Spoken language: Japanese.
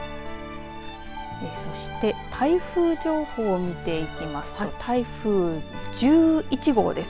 そして台風情報を見ていきますと台風１１号です。